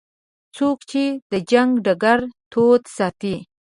څوک چې د جنګ ډګر تود ساتي.